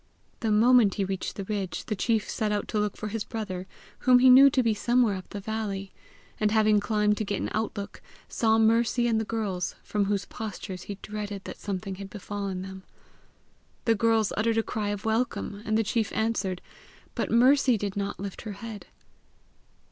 The moment he reached the ridge, the chief set out to look for his brother, whom he knew to be somewhere up the valley; and having climbed to get an outlook, saw Mercy and the girls, from whose postures he dreaded that something had befallen them. The girls uttered a cry of welcome, and the chief answered, but Mercy did not lift her head.